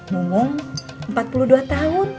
mungum empat puluh dua tahun